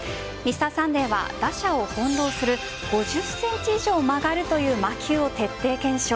「Ｍｒ．サンデー」は打者を翻弄する５０ｃｍ以上曲がるという魔球を徹底検証。